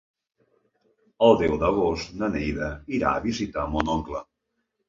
El deu d'agost na Neida irà a visitar mon oncle.